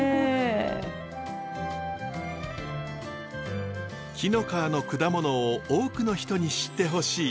紀の川の果物を多くの人に知ってほしい。